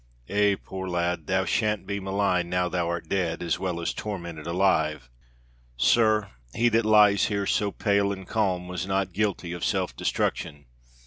Eh! poor lad, thou shan't be maligned now thou art dead, as well as tormented alive. Sir, he that lies here so pale and calm was not guilty of self destruction.